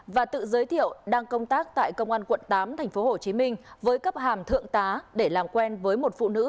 và tự giới thiệu đang công tác tại công an quận tám tp hcm với cấp hàm thượng tá để làm quen với một phụ nữ